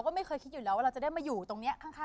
ก็ไม่เคยคิดอยู่แล้วลัมจะมาอยู่ตรงนี้ข้างพี่